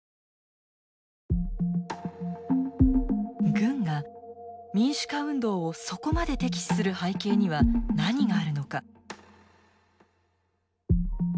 軍が民主化運動をそこまで敵視する背景には何があるのか？